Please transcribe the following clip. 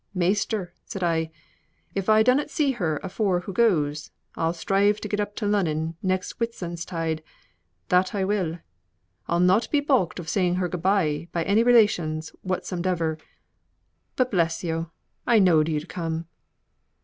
'Measter,' said I, 'if I dunnot see her afore hoo goes, I'll strive to get up to Lunnon next Whitsuntide, that I will. I'll not be baulked of saying her good bye by any relations whatsomdever. But bless yo', I knowed yo'd come.